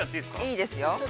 ◆いいですよ。